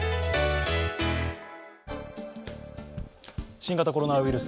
新型コロナウイルス